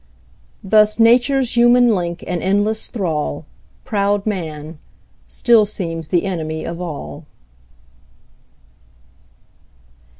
Thus nature's human link and endless thrall, Proud man, still seems the enemy of all.